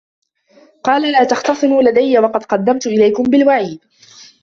قالَ لا تَختَصِموا لَدَيَّ وَقَد قَدَّمتُ إِلَيكُم بِالوَعيدِ